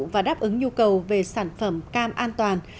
và đáp ứng nhu cầu về sản phẩm cam an toàn